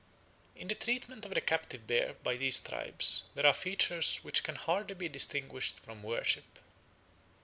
In the treatment of the captive bear by these tribes there are features which can hardly be distinguished from worship.